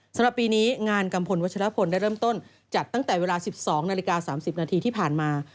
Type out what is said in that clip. สำหรับปีนี้งานกัมพลวัชลพลได้เริ่มต้นจัดตั้งแต่เวลา๑๒นาฬิกา๓๐นาทีที่ผ่านมา